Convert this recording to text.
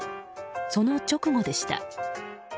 その直後でした。